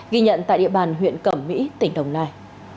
ghi nhận tại địa bàn huyện cẩm mỹ tỉnh đồng nai